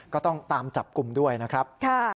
ก็ต้องตามจับกลุ่มด้วยนะครับ